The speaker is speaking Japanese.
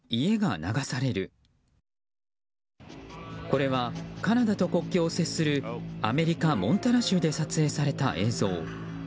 これは、カナダと国境を接するアメリカ・モンタナ州で撮影された映像。